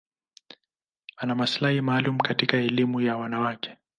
Ana maslahi maalum katika elimu ya wanawake.